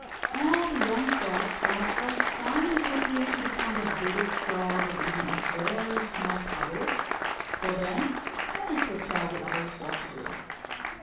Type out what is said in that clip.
All the young Frogs thought how fine it would be to become the Biggest Frog of even a very small puddle, for then they could tell the others what to do.